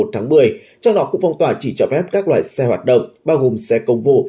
trong đó khu phong tỏa chỉ cho phép các loại xe hoạt động bao gồm xe công vụ